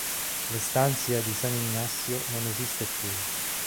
L'Estancia di San Ignacio non esiste più.